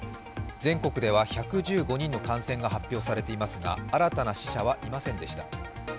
全国では１１５人の感染が発表されていますが新たな死者はいませんでした。